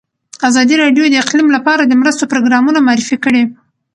ازادي راډیو د اقلیم لپاره د مرستو پروګرامونه معرفي کړي.